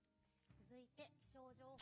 続いて、気象情報。